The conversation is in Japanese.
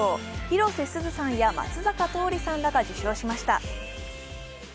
広瀬すずさんや、松坂桃李さんが受賞しました。